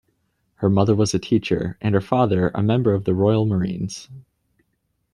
Her mother was a teacher and her father a member of the Royal Marines.